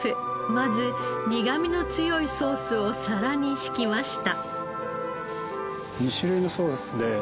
まず苦みの強いソースを皿に敷きました。